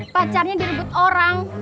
pacarnya direbut orang